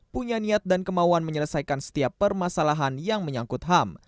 punya niat dan kemauan menyelesaikan setiap permasalahan yang menyangkut ham